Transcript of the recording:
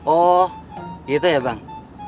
oh gitu ya bang